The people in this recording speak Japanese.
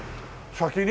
先に？